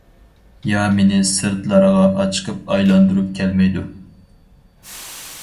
يا مېنى سىرتلارغا ئاچىقىپ ئايلاندۇرۇپ كەلمەيدۇ.